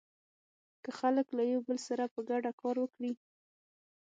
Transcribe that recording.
که خلک له يو بل سره په ګډه کار وکړي.